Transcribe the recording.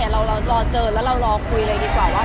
เรารอเจอแล้วเรารอคุยเลยดีกว่าว่า